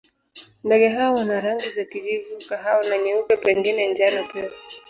Ndege hawa wana rangi za kijivu, kahawa na nyeupe, pengine njano pia.